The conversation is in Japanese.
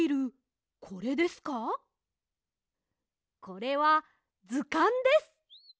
これはずかんです。